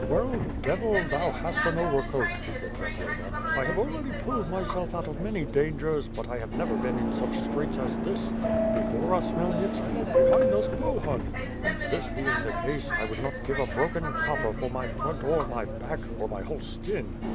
"Well, devil, thou hast an overcoat!" said Zagloba, "I have alreadv pulled myself out of many dangers, but I have never been in such straits as this. Before us, Khmyekiitski, behind us Bohun; and this being the case, I would not give a broken copper for my front or my back, or my whole skin.